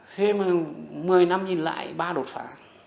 thêm một mươi năm nhìn lại ba đột phá